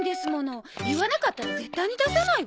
言わなかったら絶対に出さないわ。